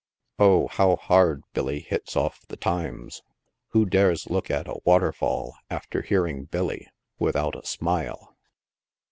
Oh, how hard Billy hits off the u times"! Who dare look at a "water fall," after hearing Billy, without a smile